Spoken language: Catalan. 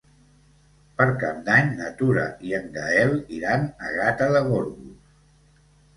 Per Cap d'Any na Tura i en Gaël iran a Gata de Gorgos.